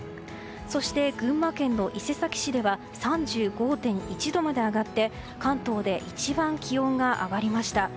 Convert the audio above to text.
そして、群馬県伊勢崎市では３５．１度まで上がって関東で一番気温が上がりました。